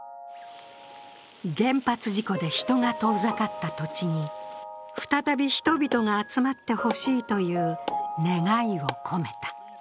原発事故で人が遠ざかった土地に再び人が集まってほしいという願いを込めた。